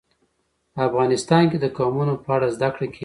افغانستان کې د قومونه په اړه زده کړه کېږي.